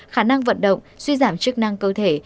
khả năng vận động suy giảm chức năng cơ thể